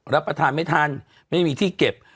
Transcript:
รับประทานไม่ทันไม่มีที่เก็บ